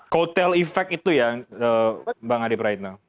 kotel efek itu ya bang adi praitno